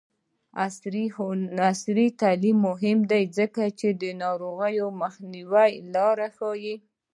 عصري تعلیم مهم دی ځکه چې د ناروغیو مخنیوي لارې ښيي.